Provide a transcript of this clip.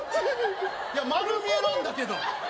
いや、丸見えなんだけど。